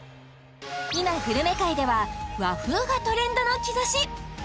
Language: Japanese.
今グルメ界では和風がトレンドの兆し